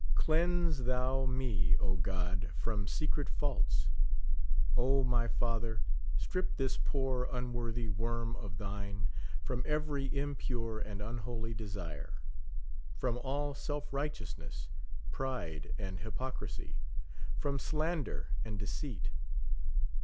Cleanse thou me, O God, from secret faults. O, my Father, strip this poor unworthy worm of thine from every impure and unholy desire ; from all self righteousness, pride, and h3^30cris3^ ; from slander and deceit.